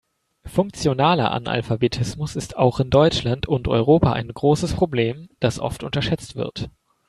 Funktionaler Analphabetismus ist auch in Deutschland und Europa ein großes Problem, das oft unterschätzt wird.